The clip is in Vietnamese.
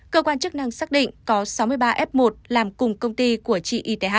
cơ quan chức năng xác định có sáu mươi ba f một làm cùng công ty của chị y tế hai